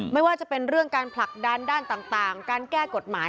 ไม่ว่าจะเป็นเรื่องการผลักดันด้านต่างการแก้กฎหมาย